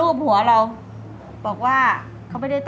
ผมอยากให้คุณพาออยล่ะ